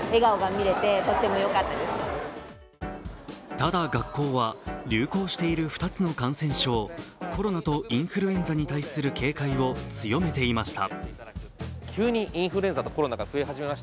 ただ、学校は流行している２つの感染症、コロナとインフルエンザに対する警戒を強めていました。